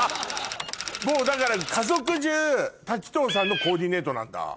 もうだから家族中滝藤さんのコーディネートなんだ。